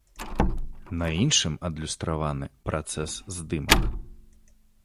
На іншым адлюстраваны працэс здымак.